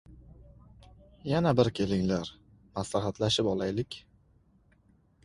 Yana bir kelinglar, maslahatlashib olaylik.